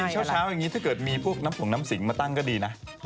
เช้าอย่างนี้ถ้าเกิดมีพวกน้ำผงน้ำสิงมาตั้งก็ดีนะ